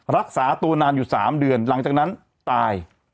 รักษาตัวนานอยู่๓เดือนหลังจากนั้นตาย